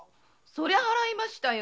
そりゃ払いましたよ。